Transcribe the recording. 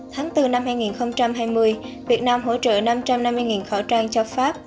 tháng bốn năm hai nghìn hai mươi việt nam hỗ trợ năm trăm năm mươi khẩu trang cho pháp